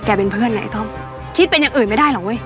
ไอ้ต้มคิดเป็นอย่างอื่นไม่ได้หรอกเว้ย